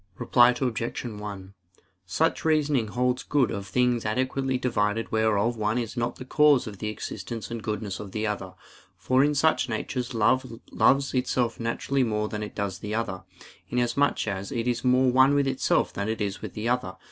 Reply Obj. 1: Such reasoning holds good of things adequately divided whereof one is not the cause of the existence and goodness of the other; for in such natures each loves itself naturally more than it does the other, inasmuch as it is more one with itself than it is with the other.